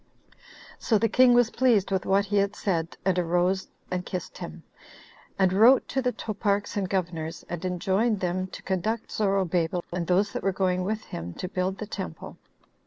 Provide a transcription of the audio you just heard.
8. So the king was pleased with what he had said, and arose and kissed him; and wrote to the toparchs and governors, and enjoined them to conduct Zorobabel and those that were going with him to build the temple.